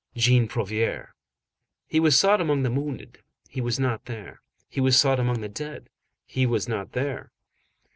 Jean Prouvaire. He was sought among the wounded, he was not there. He was sought among the dead, he was not there.